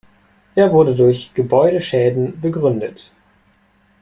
Er wurde durch Gebäudeschäden begründet.